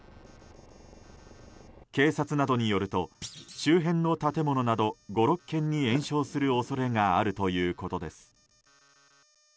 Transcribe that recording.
警察などによると周辺の建物の５６軒に延焼する恐れがあるということです。